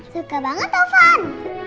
suka banget ovan